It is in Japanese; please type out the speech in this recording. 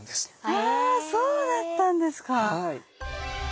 あそうだったんですか！